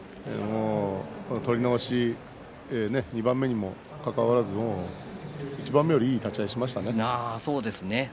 この取り直し、２番目にもかかわらず１番目よりもいい立ち合いをしましたね。